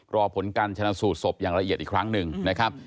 รอผลการชนะสูตรศพอย่างละเอียดอีกครั้งหนึ่งนะครับ